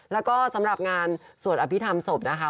แล้วก็สำหรับงานสวดอภิษฐรรมศพนะคะ